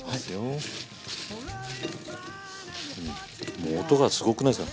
もう音がすごくないですか？